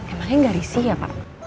emangnya nggak risih ya pak